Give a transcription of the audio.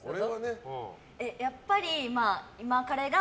やっぱり、今カレが。